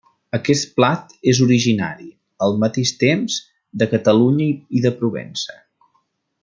Aquest plat és originari, al mateix temps, de Catalunya i de Provença.